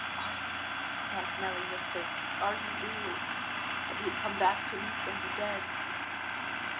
"Arthur," Montanelli whispered, "are you real? Have you come back to me from the dead?"